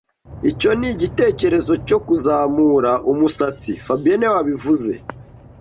Icyo ni igitekerezo cyo kuzamura umusatsi fabien niwe wabivuze